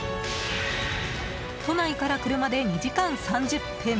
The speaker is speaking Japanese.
都内から車で２時間３０分。